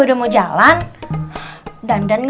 udah mau jalan dan